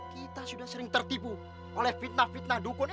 kita sudah sering tertipu oleh fitnah fitnah dukun itu